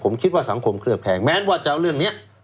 ผมคิดว่าสังคมเคลือบแคลงแม้ว่าจะเอาเรื่องนี้